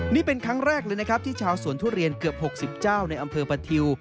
นี่เป็นครั้งแรกเลยนะครับที่ชาวสวนทุเรียนเกือบ๖๐เจ้าในอำเภอประทิว